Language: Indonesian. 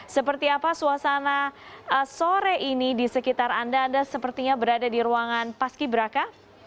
seperti apa suasana sore ini di sekitar anda anda sepertinya berada di ruangan paski beraka